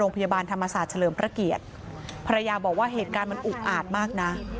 โรงพยาบาลธรรมศาสตร์เฉลิมพระเกียรติภรรยาบอกว่าเหตุการณ์มันอุกอาจมากนะ